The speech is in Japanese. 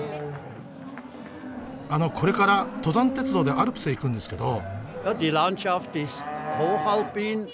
あのこれから登山鉄道でアルプスへ行くんですけど。